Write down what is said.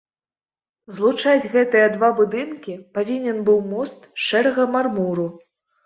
Злучаць гэтыя два будынкі павінен быў мост з шэрага мармуру.